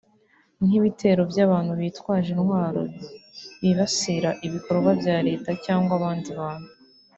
nk’ibitero by’ibantubitwaje intwaro bibasira ibikorwa bya Leta cyangwa abandi bantu